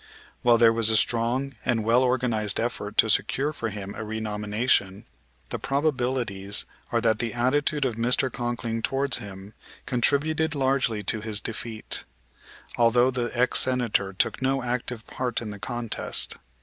While there was a strong and well organized effort to secure for him a renomination, the probabilities are that the attitude of Mr. Conkling towards him contributed largely to his defeat; although the ex Senator took no active part in the contest.